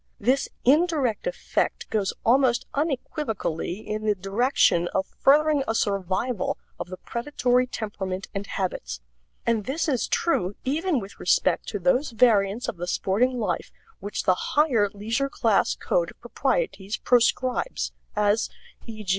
This indirect effect goes almost unequivocally in the direction of furthering a survival of the predatory temperament and habits; and this is true even with respect to those variants of the sporting life which the higher leisure class code of proprieties proscribes; as, e.